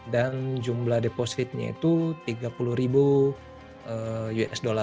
dan jumlah depositnya itu tiga puluh usd